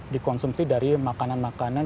dikonsumsi dari makanan makanan